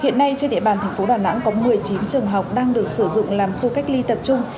hiện nay trên địa bàn thành phố đà nẵng có một mươi chín trường học đang được sử dụng làm khu cách ly tập trung